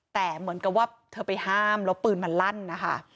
แต่เหมือนกับว่าเธอไปห้ามแล้วปืนมันลั่นนะคะ